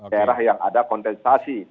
daerah yang ada kontentasi